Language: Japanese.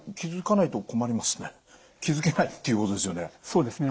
気付けないっていうことですよね？